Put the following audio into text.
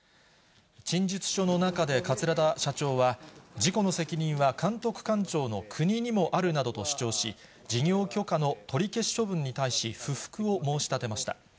陳述書の中で桂田社長は、事故の責任は監督官庁の国にもあるなどと主張し、事業許可の取り消し処分に対し、不服を申し立てました。